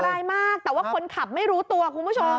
อะไรมากแต่ว่าคนขับไม่รู้ตัวคุณผู้ชม